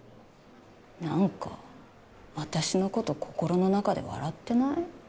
何か私のこと心の中で笑ってない？